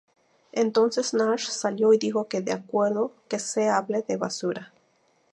Entonces Nash salió y dijo que de acuerdo, que se hable de basura.